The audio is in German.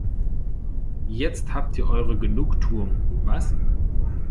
Jetzt habt ihr eure Genugtuung, was?